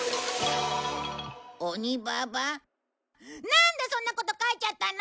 なんでそんなこと書いちゃったの！？